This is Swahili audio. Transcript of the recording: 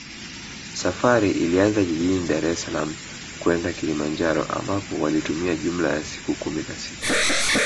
Safari ilianzia jijini Daressalaam kwenda Kilimanjaro ambapo walitumia jumla ya siku kumi na sita